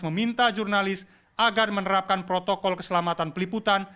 meminta jurnalis agar menerapkan protokol keselamatan peliputan